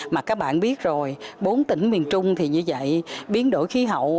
mà các bạn biết rồi bốn tỉnh miền trung thì như vậy biến đổi khí hậu